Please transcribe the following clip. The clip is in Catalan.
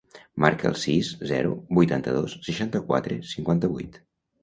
Marca el sis, zero, vuitanta-dos, seixanta-quatre, cinquanta-vuit.